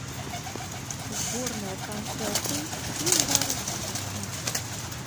Зборныя канцэрты, іх зараз будзе шмат.